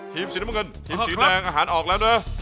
ทีมสีแมร่งอาหารออกแล้วนะ